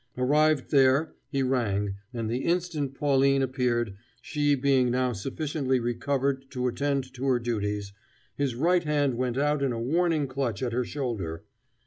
Arrived there, he rang, and the instant Pauline appeared, she being now sufficiently recovered to attend to her duties, his right hand went out in a warning clutch at her shoulder.